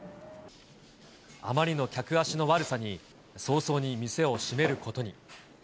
あまりの客足の悪さに、早々に店を閉めることに。